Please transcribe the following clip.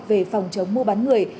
về phòng chống mua bán người